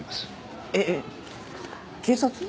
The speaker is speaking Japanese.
えっ警察？